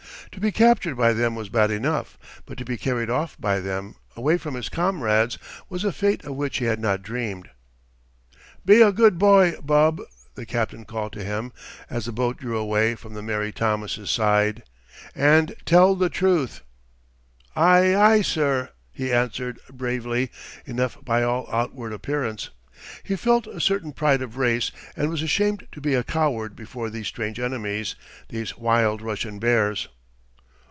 To be captured by them was bad enough, but to be carried off by them, away from his comrades, was a fate of which he had not dreamed. "Be a good boy, Bub," the captain called to him, as the boat drew away from the Mary Thomas's side, "and tell the truth!" "Aye, aye, sir!" he answered, bravely enough by all outward appearance. He felt a certain pride of race, and was ashamed to be a coward before these strange enemies, these wild Russian bears.